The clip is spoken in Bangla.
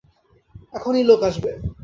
এখনই লোক আসবে।